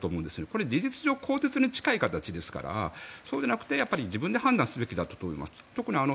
これ事実上、更迭に近い形ですからそうでなくて自分で判断すべきだったと思います。